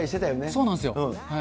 そうなんですよ。